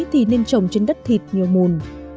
thì nên trồng trên đất thịt nhiều mùn